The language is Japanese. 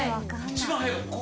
一番早い。